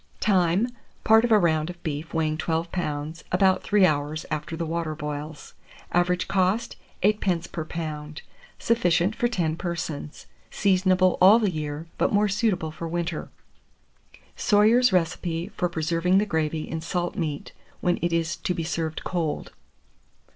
Time. Part of a round of beef weighing 12 lbs., about 3 hours after the water boils. Average cost, 8d. per lb. Sufficient for 10 persons. Seasonable all the year, but more suitable for winter. 609. SOYER'S RECIPE FOR PRESERVING THE GRAVY IN SALT MEAT, WHEN IT IS TO BE SERVED COLD.